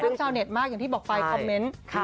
ช่างเช่าเน็ตมากอย่างที่บอกไฟล์คอมเมนต์